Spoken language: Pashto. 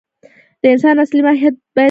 د انسان اصلي ماهیت باید درک شي.